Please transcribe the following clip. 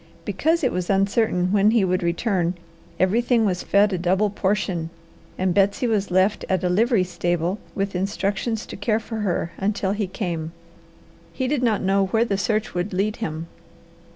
Because it was uncertain when he would return, everything was fed a double portion, and Betsy was left at a livery stable with instructions to care for her until he came. He did not know where the search would lead him.